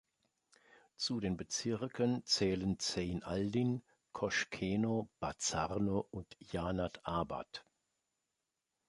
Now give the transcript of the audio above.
Zu den Bezirken zählen Zeyn Aldin, Koshkeno, Bazarno und Janat-Abad.